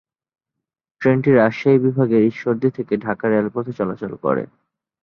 ট্রেনটি রাজশাহী বিভাগের ঈশ্বরদী থেকে ঢাকা রেলপথে চলাচল করে।